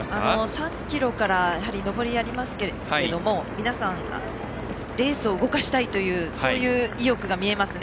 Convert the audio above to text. ３ｋｍから上りがありますけれども皆さん、レースを動かしたいという意欲が見えますね。